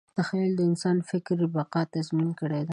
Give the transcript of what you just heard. تخیل د انسان فکري بقا تضمین کړې ده.